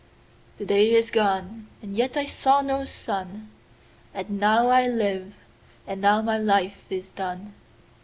5The day is gone and yet I saw no sun,6And now I live, and now my life is done.